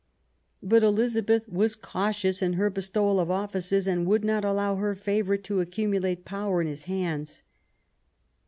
But Elizabeth was cautious in her be stowal of offices, and would not allow her favourite to accumulate power in his hands.